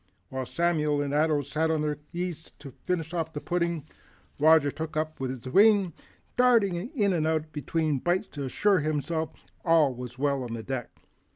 While Samuel and Ato sat at their ease to finish off the pudding, Roger took his upon the wing, darting in and out between bites to assure himself that all was well on deck.